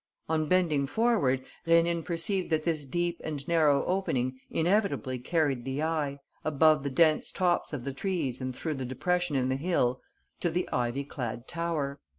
On bending forward, Rénine perceived that this deep and narrow opening inevitably carried the eye, above the dense tops of the trees and through the depression in the hill, to the ivy clad tower.